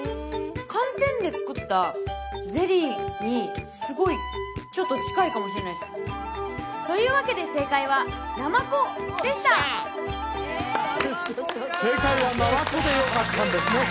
寒天で作ったゼリーにすごいちょっと近いかもしれないですというわけで正解は「ナマコ」でした正解は「ナマコ」でよかったんですね